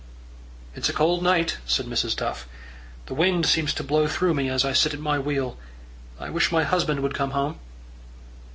"It's a cold night," said Mrs. Duff. "The wind seems to blow through me as I sit at my wheel. I wish my husband would come home."